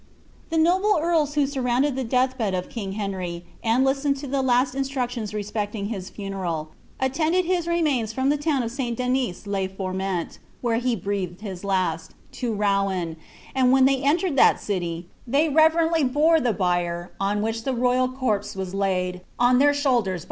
The noble earls who surrounded the death bed of king Henry, and stened to his last instructions respecting his funeral, attended his emains from the town of St Denis le Forment (where he breathed his Mt) to Rouen ; and when they entered that city, they reverently bore he bier, on which the royal corpse was laid, on their shoulders by oms.